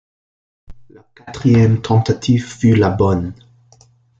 La quatrième tentative fut la bonne.